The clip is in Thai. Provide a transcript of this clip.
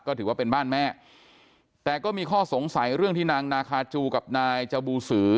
ก็ถือว่าเป็นบ้านแม่แต่ก็มีข้อสงสัยเรื่องที่นางนาคาจูกับนายจบูสือ